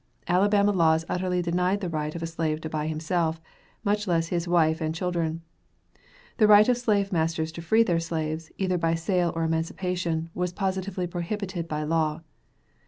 Alabama laws utterly denied the right of a slave to buy himself, much less his wife and children. The right of slave masters to free their slaves, either by sale or emancipation, was positively prohibited by law.